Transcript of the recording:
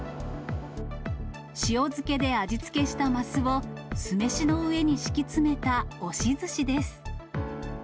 塩漬けで味付けしたますを酢飯の上に敷き詰めた押しずしです。